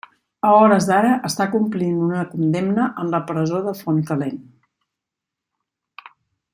A hores d'ara, està complint una condemna en la presó de Fontcalent.